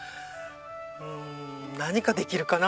うん何かできるかな。